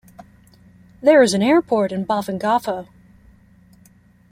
There is an airport in Bafangafo.